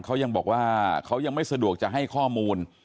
เขายังบอกว่าเขายังไม่สะดวกจะให้ข้อมูล